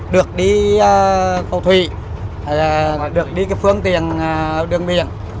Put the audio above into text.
được đi tàu thủy được đi phương tiện đường biển